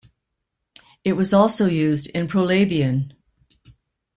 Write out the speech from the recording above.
It was also used in Polabian.